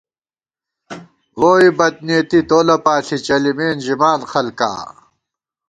ووئی بدنېتی تولہ پاݪی چلِمېن ژِمان خلکا